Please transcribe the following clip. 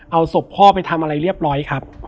เอาศพพ่อไปทำอะไรเรียบร้อยครับ